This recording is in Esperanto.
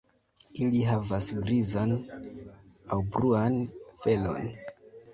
Ili havas grizan aŭ brunan felon.